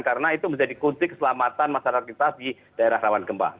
karena itu menjadi kunci keselamatan masyarakat kita di daerah rawan gempa